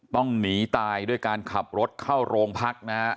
ต้องหนีตายด้วยการขับรถเข้าโรงพักนะฮะ